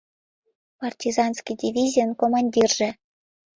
— Партизанский дивизийын командирже...